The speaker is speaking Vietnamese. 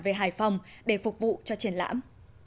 về hải phòng để phục vụ cho triển lãm